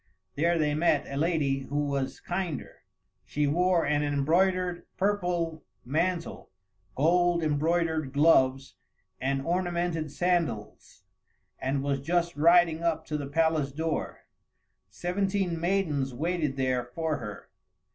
There they met a lady who was kinder. She wore an embroidered purple mantle, gold embroidered gloves, and ornamented sandals, and was just riding up to the palace door. Seventeen maidens waited there for her.